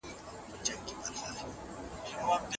په علمي چارو کې رښتینولي تر بل هر څه مهمه ده.